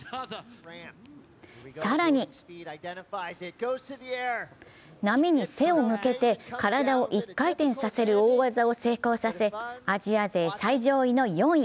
更に、波に背を向けて体を一回転させる大技を成功させ、アジア勢最上位の４位。